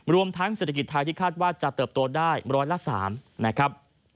รวมทั้งเศรษฐกิจไทยที่คาดว่าจะเติบโตได้ร้อยละ๓นะครับ